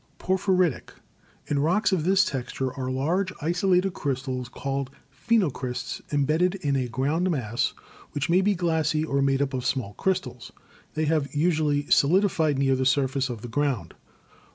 Porphyritic. — In rocks of this texture are large, isolated crystals, called phenocrysts, embedded in a ground mass, which may be glassy or made up of small crystals. They have usually solidified near the surface of the ground.